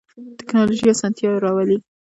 تکنالوژی اسانتیا راولی